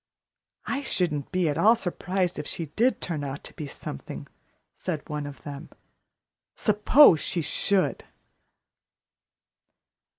"I shouldn't be at all surprised if she did turn out to be something," said one of them. "Suppose she should!"